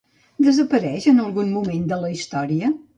Desapareix en algun moment de la història?